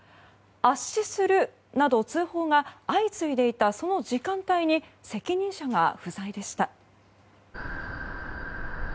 圧死するなど通報が相次いでいたその時間帯に責任者が不在でした。